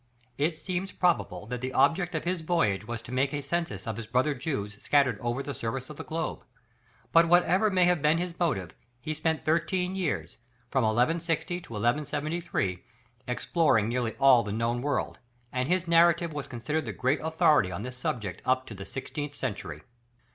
It seems probable that the object of his voyage was to make a census of his brother Jews scattered over the surface of the Globe, but whatever may have been his motive, he spent thirteen years, from 1160 1173, exploring nearly all the known world, and his narrative was considered the great authority on this subject up to the sixteenth century.